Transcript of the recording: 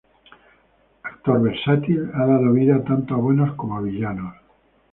Actor versátil, ha dado vida tanto a buenos como villanos.